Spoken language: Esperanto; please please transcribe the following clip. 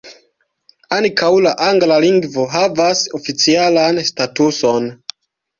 Ankaŭ la angla lingvo havas oficialan statuson.